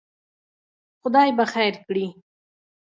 خدای به خیر کړي.